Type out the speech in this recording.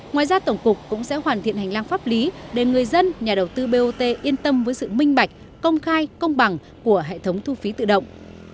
ngoài ra tổng cục cũng sẽ hoàn thiện hành lang pháp lý để người dân nhà đầu tư bot yên tâm với sự minh bạch công khai công bằng của hệ thống thu phí tự động